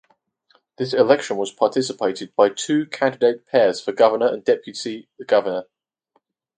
This election was participated by two candidate pairs for governor and deputy governor.